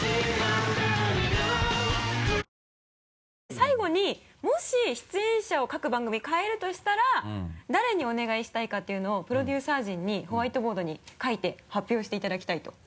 最後にもし出演者を各番組かえるとしたら誰にお願いしたいかっていうのをプロデューサー陣にホワイトボードに書いて発表していただきたいと。